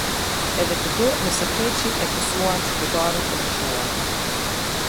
Edhe këtu më së keqi e pësuan qytetarët e moshuar.